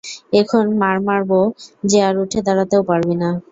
এমন মার মারবো যে আর উঠে দাঁড়াতেও পারবি না।